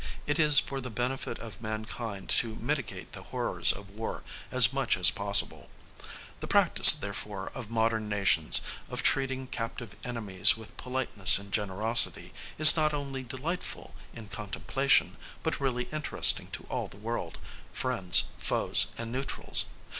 It is for the benefit of mankind to mitigate the horrors of war as much as possible. The practice, therefore, of modern nations, of treating captive enemies with politeness and generosity, is not only delightful in contemplation, but really interesting to all the world, friends, foes, and neutrals.